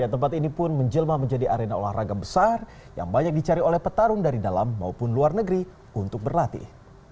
tempat ini pun menjelma menjadi arena olahraga besar yang banyak dicari oleh petarung dari dalam maupun luar negeri untuk berlatih